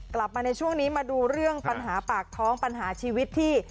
กลับมาในช่วงนี้มาดูเรื่องปัญหาปากท้องปัญหาชีวิตที่